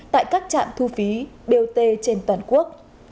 tại các trạm thu phí bot trên toàn quốc